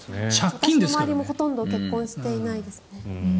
私の周りもほとんど結婚していないですね。